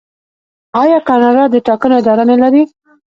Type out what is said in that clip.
آیا کاناډا د ټاکنو اداره نلري؟